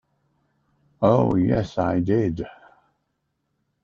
Oh, yes, I did.